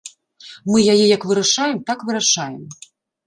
Мы яе як вырашаем, так вырашаем.